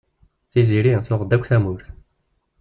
Tiziri, tuɣ-d akk tamurt.